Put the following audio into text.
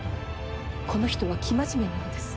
この人は生真面目なのです。